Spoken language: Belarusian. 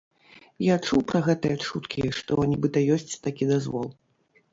Я чуў пра гэтыя чуткі, што нібыта ёсць такі дазвол.